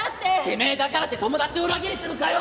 「てめえだからって友達を裏切るってのかよ！」。